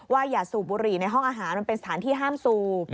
อย่าสูบบุหรี่ในห้องอาหารมันเป็นสถานที่ห้ามสูบ